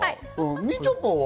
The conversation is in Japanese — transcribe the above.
みちょぱは？